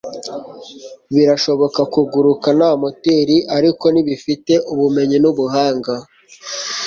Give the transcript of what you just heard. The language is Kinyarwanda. birashoboka kuguruka nta moteri, ariko ntibifite ubumenyi n'ubuhanga